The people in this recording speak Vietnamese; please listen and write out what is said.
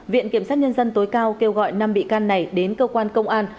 viện kiểm sát nhân dân tối cao kêu gọi năm bị can này đến cơ quan công an